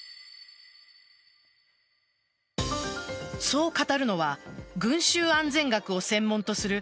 そう語るのは群集安全学を専門とする